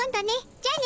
じゃあね。